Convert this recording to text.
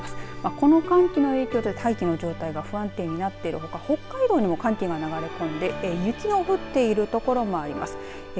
この寒気の影響で大気の状態が不安定になっているほか北海道にも寒気が流れ込んで雪の降っている所もあります。